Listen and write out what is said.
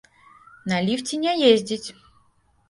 На ліфце не ездзіць!